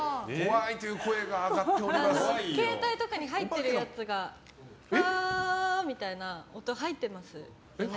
携帯とかに入ってるやつファーみたいな音入ってますよね。